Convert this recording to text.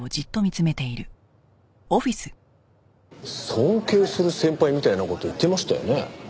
尊敬する先輩みたいな事言ってましたよね。